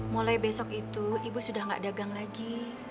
mulai besok itu ibu sudah tidak dagang lagi